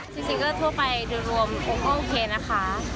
สิ่งสิ่งทั่วไปรวมคงก็โอเคนะคะ